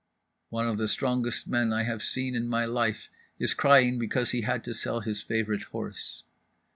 One of the strongest men I have seen in my life is crying because he has had to sell his favourite horse.